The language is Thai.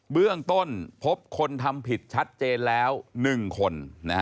เบื้องต้นพบคนทำผิดชัดเจนแล้ว๑คน